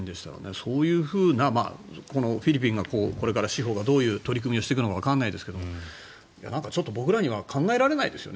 そういうふうなこのフィリピンがこれから司法がどういう取り組みをしていくのかわからないですがちょっと僕らには考えられないですよね。